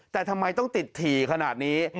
แต่ทำไมต้องติดถี่ขนาดนี้